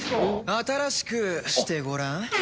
新しくしてごらん。